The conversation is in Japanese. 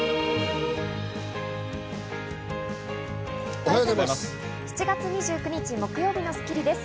おはようございます。